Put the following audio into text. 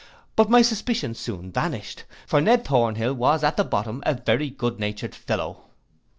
But my suspicions soon vanished; for Ned Thornhill was at the bottom a very good natured fellow.